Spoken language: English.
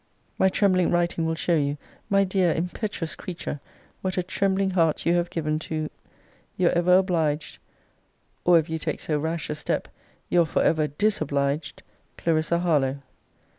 My trembling writing will show you, my dear impetuous creature, what a trembling heart you have given to Your ever obliged, Or, if you take so rash a step, Your for ever disobliged, CLARISSA HARLOWE.